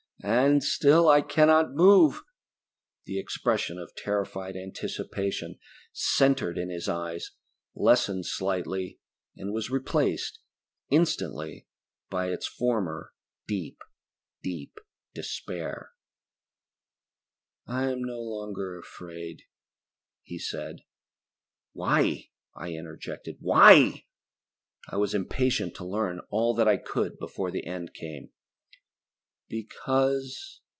And still I cannot move!" The expression of terrified anticipation, centered in his eyes, lessened slightly, and was replaced, instantly, by its former deep, deep despair. "I am no longer afraid," he said. "Why?" I interjected. "Why?" I was impatient to learn all that I could before the end came. "Because